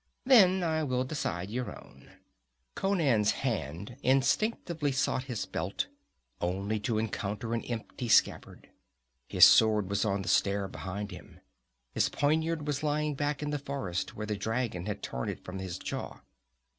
Then I will decide your own." Conan's hand instinctively sought his belt, only to encounter an empty scabbard. His sword was on the stair behind him. His poniard was lying back in the forest, where the dragon had torn it from his jaw.